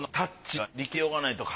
はい。